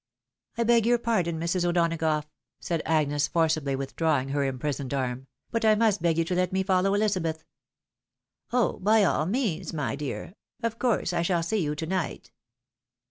" I beg your pardon, Mrs. O'Donagough !" said Agnes, forcibly withdrawing her imprisoned arm ;" but I must beg you to let me follow Elizabeth." " Oh ! by all means, my dear ; of course, I shall see you to night."